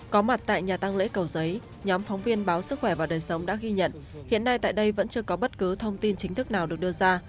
có mặt tại nhà tăng lễ cầu giấy nhóm phóng viên báo sức khỏe và đời sống đã ghi nhận hiện nay tại đây vẫn chưa có bất cứ thông tin chính thức nào được đưa ra